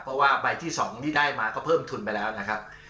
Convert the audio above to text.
เพราะว่าใบที่๒ที่ได้มาก็เพิ่มทุนไปแล้วนะครับ